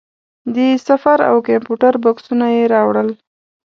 د سفر او کمپیوټر بکسونه یې راوړل.